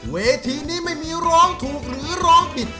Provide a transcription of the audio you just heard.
เวทีนี้ไม่มีร้องถูกหรือร้องผิด